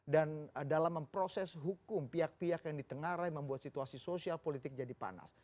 dan dalam memproses hukum pihak pihak yang di tengah rai membuat situasi sosial politik jadi panas